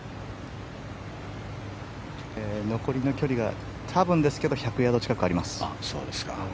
残りの距離が多分ですけど１００ヤード近くあります。